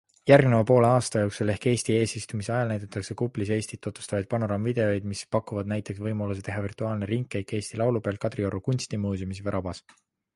Järgneva poole aasta jooksul ehk Eesti eesistumise ajal näidatakse kuplis Eestit tutvustavaid panoraamvideoid, mis pakuvad näiteks võimaluse teha virtuaalne ringkäik Eesti laulupeol, Kadrioru kuntsimuuseumis või rabas.